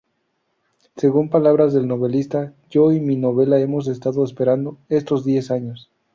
Según palabras del novelista: "Yo y mi novela hemos estado esperando estos diez años.